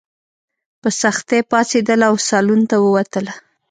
په سختۍ پاڅېدله او سالون ته ووتله.